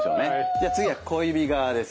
じゃあ次は小指側です。